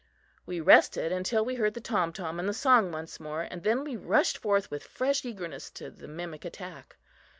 We rested until we heard the tom tom and the song once more, and then we rushed forth with fresh eagerness to the mimic attack.